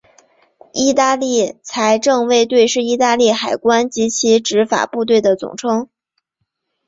意大利财政卫队是意大利海关及其执法部队的总称。